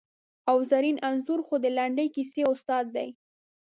او زرین انځور خو د لنډې کیسې استاد دی!